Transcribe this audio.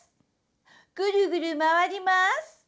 ぐるぐるまわりまーす。